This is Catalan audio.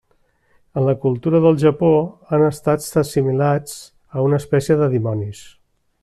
En la cultura del Japó han estat assimilats a una espècie de dimonis.